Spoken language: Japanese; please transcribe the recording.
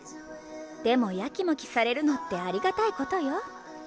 でもヤキモキされるのってありがたいことよ。